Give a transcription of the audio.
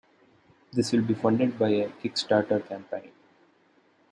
This will be funded by a Kickstarter campaign.